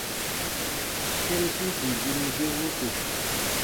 Sere su dii biru ge wuku.